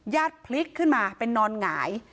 พลิกขึ้นมาเป็นนอนหงาย